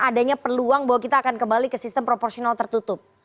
adanya peluang bahwa kita akan kembali ke sistem proporsional tertutup